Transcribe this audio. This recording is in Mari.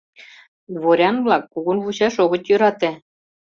Дворян-влак кугун вучаш огыт йӧрате.